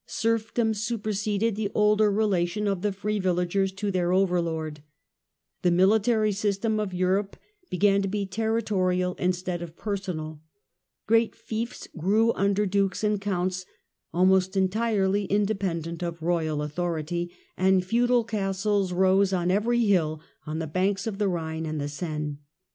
Serfdom superseded the older relation of the free villagers to their overlord ; the military system of Europe began to be territorial instead of personal ; great fiefs grew up under dukes and counts almost entirely independent of royal authority; and feudal castles rose on every hill on the banks of the Rhine and the Seine.